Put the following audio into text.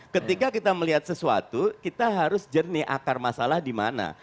ketika kita melihat sesuatu kita harus jernih akar masalah di mana